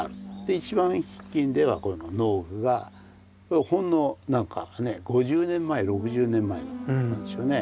この農具がほんの何かね５０年前６０年前のなんですよね。